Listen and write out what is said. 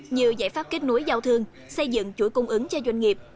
như giải pháp kết nối giao thương xây dựng chuỗi cung ứng cho doanh nghiệp